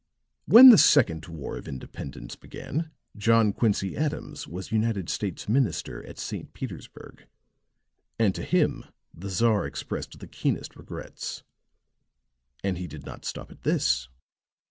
"When the second war of independence began, John Quincy Adams was United States Minister at St. Petersburg; and to him the Czar expressed the keenest regrets. And he did not stop at this.